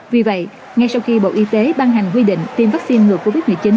vì vậy ngay sau khi bộ y tế ban hành quy định tiêm vaccine ngừa covid một mươi chín